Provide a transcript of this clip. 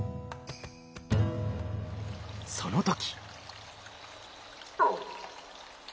その時。